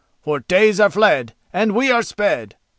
For days are fled and we are sped!"